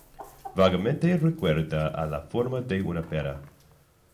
Vagamente recuerda a la forma de una pera.